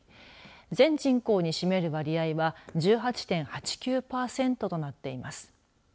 全人口に占める割合は１８．８９パーセントとなっています。